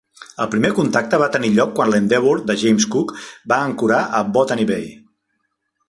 El primer contacte va tenir lloc quan l'Endeavour de James Cook va ancorar a Botany Bay.